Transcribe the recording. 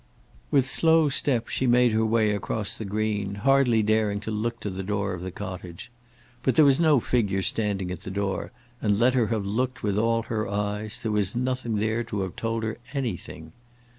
With slow step she made her way across the green, hardly daring to look to the door of the cottage. But there was no figure standing at the door; and let her have looked with all her eyes, there was nothing there to have told her anything.